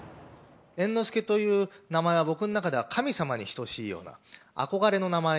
猿之助という名前は、僕の中では神様に等しいような、憧れの名前。